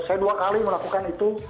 saya dua kali melakukan itu